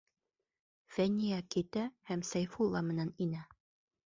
Фәниә китә һәм Сәйфулла менән инә.